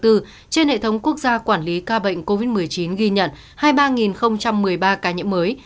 trên hệ thống quốc gia quản lý ca bệnh covid một mươi chín ghi nhận hai mươi ba một mươi ba ca nhiễm mới